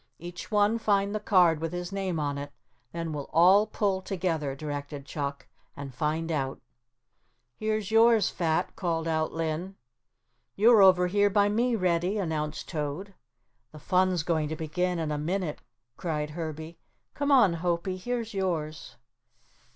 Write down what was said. "Each one find the card with his name on it. Then we'll all pull together," directed Chuck, "and find out." "Here's yours, Fat," called out Linn. "You're over here, by me, Reddy," announced Toad. "The fun's going to begin in a minute," cried Herbie. "Come on, Hopie, here's yours."